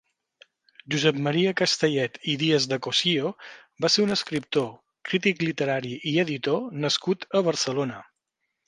Josep Maria Castellet i Díaz de Cossío va ser un escriptor, crític literari i editor nascut a Barcelona.